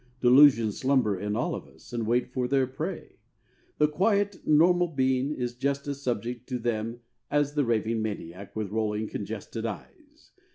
Delusions slumber in all of us and wait for their prey. The quiet normal being is just as subject to them as the raving maniac with rolling congested eyes.